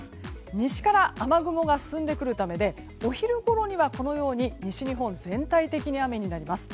西から雨雲が進んでくるためでお昼ごろには、西日本全体的に雨になります。